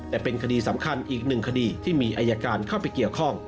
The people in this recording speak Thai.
แต่เป็นคดีสำคัญอีกหนึ่งคดีที่มีอายการเข้าไปเกี่ยวข้อง